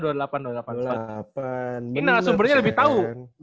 ini nalasumbernya lebih tau